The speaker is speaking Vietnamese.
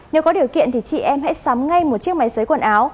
nếu có điều kiện thì chị em hãy sắm ngay một chiếc máy xấy quần áo